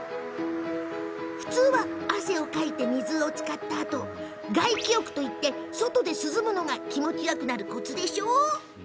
普通は、汗かいて水につかったあとに外気浴っていって、外で涼むのが気持ちよくなるコツでしょ？